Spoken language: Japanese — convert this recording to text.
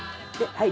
はい。